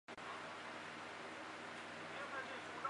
日子不再像以往轻松